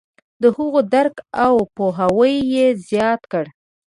د هغوی درک او پوهاوی یې زیات کړ.